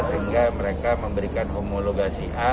sehingga mereka memberikan homologasi a